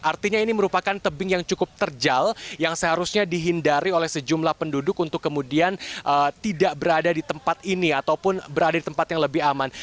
artinya ini merupakan tebing yang cukup terjal yang seharusnya dihindari oleh sejumlah penduduk untuk kemudian tidak berada di tempat ini ataupun berada di tempat yang lebih aman